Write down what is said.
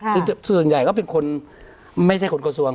ผู้ทรงคนใหญ่ก็เป็นคนไม่ใช่คนกระสวง